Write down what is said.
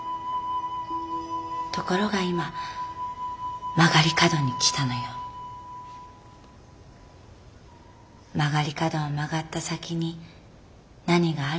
ところが今曲がり角に来たのよ。曲がり角を曲がった先に何があるのかは分からないの。